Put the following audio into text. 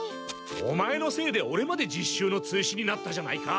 オマエのせいでオレまで実習の追試になったじゃないか！